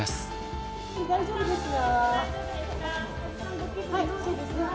大丈夫ですか？